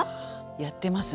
やってますね。